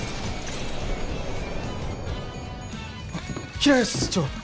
平安室長！